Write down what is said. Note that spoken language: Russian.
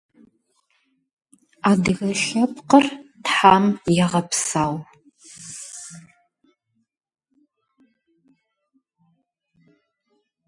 Однако такое объяснение не совсем правомерно.